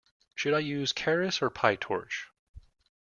Should I use Keras or Pytorch?